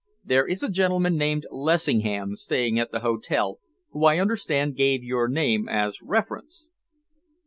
There is a gentleman named Lessingham staying at the hotel, who I understand gave your name as reference."